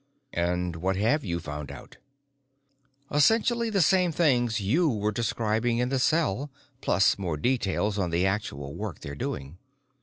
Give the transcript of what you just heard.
"And what have you found out?" "Essentially the same things you were describing in the cell, plus more details on the actual work they're doing.